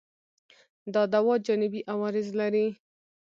دا دوا جانبي عوارض لري؟